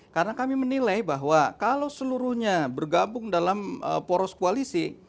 karena kami menilai bahwa kalau seluruhnya bergabung dalam poros koalisi